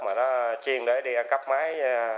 mà nó chiên để đi ăn cắp máy